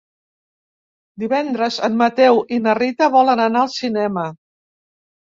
Divendres en Mateu i na Rita volen anar al cinema.